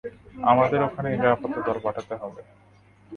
আমাদের ওখানে নিরাপত্তা দল পাঠাতে হবে।